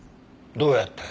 どうやって？